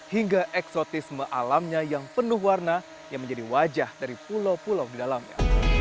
hingga eksotisme alamnya yang penuh warna yang menjadi wajah dari pulau pulau di dalamnya